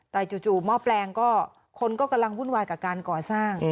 แต่จู่หม้อแปลงก็คนก็กำลังวุ่นวายกับการก่อสร้าง